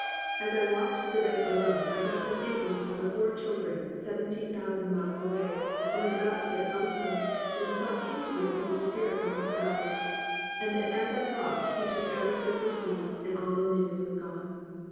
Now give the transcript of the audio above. As I walked the deck alone I got to thinking of the four children seventeen thousand miles away and was about to get lonesome, when the thought came to me of the Holy Spirit by my side, and that as I walked He took every step with me, and all loneliness was gone.